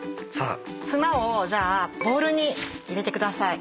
ツマをじゃあボウルに入れてください。